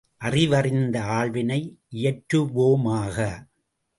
அறிவறிந்த ஆழ்வினை இயற்றுவோமாக!